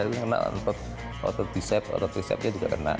itu kena untuk otot disep otot disepnya juga kena